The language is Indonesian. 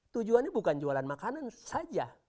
tujuannya bukan jualan makanan saja